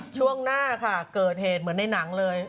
ช่วงหน้าค่ะเกิดเหตุเหมือนในหนังเลย